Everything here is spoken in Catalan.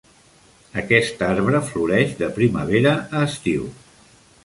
Aquest arbre floreix de primavera a estiu.